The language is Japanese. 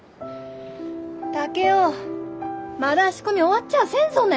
竹雄まだ仕込み終わっちゃあせんぞね！